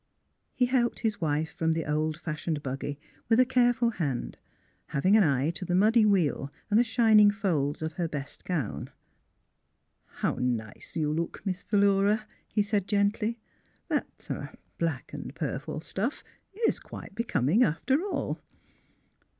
He helped his wife from the old fashioned buggy with a careful hand, having an eye to the muddy wheel and the shining folds of her best gown. '' How nice you look. Miss Philura," he said, gently, '' that — er — black and purple stuff is quit© becoming, after all."